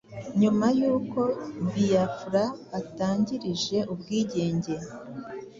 nyuma y’uko Biafra itangarije ubwigenge,